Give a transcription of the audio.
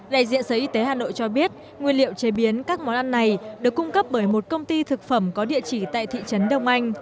đại diện sở y tế hà nội cho biết nguyên liệu chế biến các món ăn này được cung cấp bởi một công ty thực phẩm có địa chỉ tại thị trấn đông anh